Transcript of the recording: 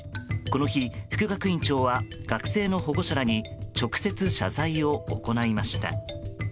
この日、副学院長は学生の保護者らに直接、謝罪を行いました。